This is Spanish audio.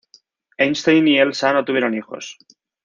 Einstein y Elsa no tuvieron hijos.